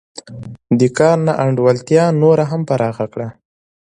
دې کار نا انډولتیا نوره هم پراخه کړه